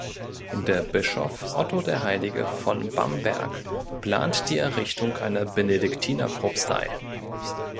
Der Bischof Otto der Heilige von Bamberg plante die Errichtung einer Benediktinerpropstei.